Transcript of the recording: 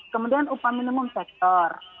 kemudian upaminumum sektor